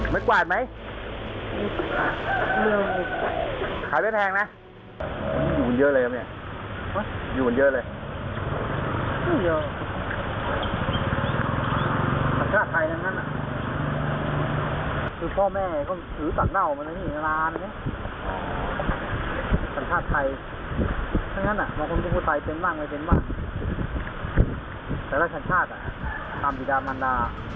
แต่แล้วสัญชาติน่ะตามวิดาลมันด้า